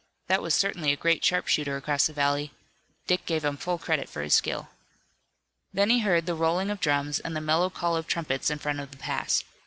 That was certainly a great sharpshooter across the valley! Dick gave him full credit for his skill. Then he heard the rolling of drums and the mellow call of trumpets in front of the pass.